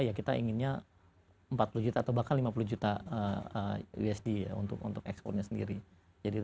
ya kita inginnya empat puluh juta atau bahkan lima puluh juta usd ya untuk ekspornya sendiri